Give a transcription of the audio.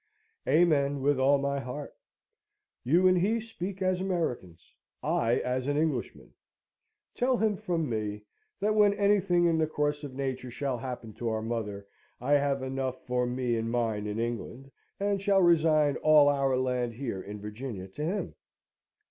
"Amen, with all my heart. You and he speak as Americans; I as an Englishman. Tell him from me, that when anything in the course of nature shall happen to our mother, I have enough for me and mine in England, and shall resign all our land here in Virginia to him."